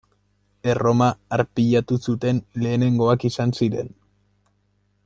Erroma arpilatu zuten lehenengoak izan ziren.